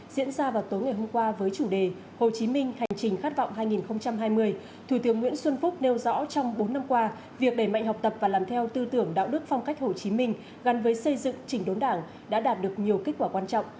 gần với xây dựng chỉnh đốn đảng đã đạt được nhiều kết quả quan trọng